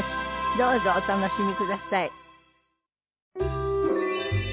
どうぞお楽しみください。